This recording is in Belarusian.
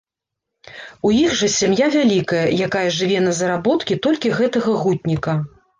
У іх жа сям'я вялікая, якая жыве на заработкі толькі гэтага гутніка.